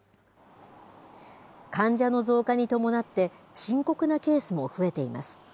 患者の増加に伴って、深刻なケースも増えています。